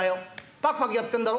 パクパクやってんだろ。